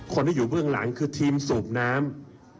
คนที่อยู่เบื้องหลังคือทีมสูบน้ำ